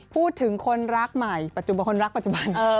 พูดถึงคนรักใหม่ปัจจุบันคนรักปัจจุบัน